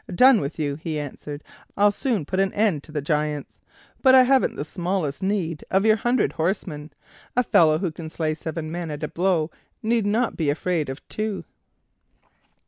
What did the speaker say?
"Done with you," he answered; "I'll soon put an end to the Giants. But I haven't the smallest need of your hundred horsemen; a fellow who can slay seven men at a blow need not be afraid of two."